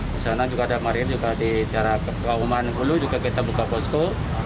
di sana juga ada marir juga di daerah kebawaman dulu juga kita buka posko